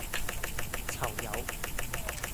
囚友